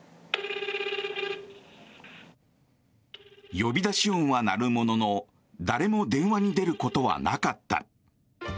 呼び出し音は鳴るものの誰も電話に出ることはなかった。